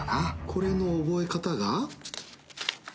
これの覚え方が。